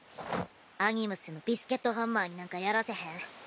アニムスのビスケットハンマーになんかやらせへん。